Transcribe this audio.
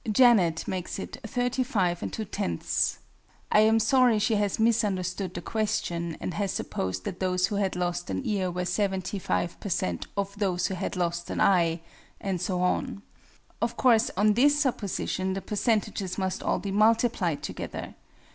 JANET makes it "35 and 7/10ths." I am sorry she has misunderstood the question, and has supposed that those who had lost an ear were 75 per cent. of those who had lost an eye; and so on. Of course, on this supposition, the percentages must all be multiplied together.